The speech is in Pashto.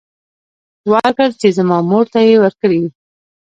ورکړ چې زما مور ته يې ورکړي.